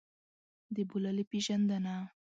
د بوللې پېژندنه.